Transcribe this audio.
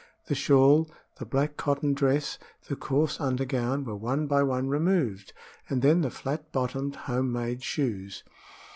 The shawl, the black cotton dress, the coarse undergown, were one by one removed, and then the flat bottomed home made shoes.